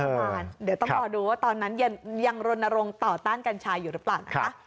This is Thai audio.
เดี๋ยวต้องรอดูว่าตอนนั้นยังรณรงค์ต่อต้านกัญชาอยู่หรือเปล่านะคะ